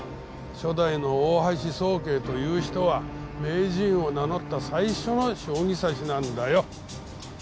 初代の大橋宗桂という人は名人を名乗った最初の将棋指しなんだよ。